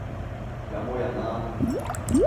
有冇人呀？